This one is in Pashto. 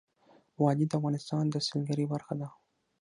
وادي د افغانستان د سیلګرۍ برخه ده.